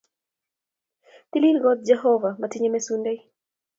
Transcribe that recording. TiIiI kot Jehovah! Matinyei mesundei.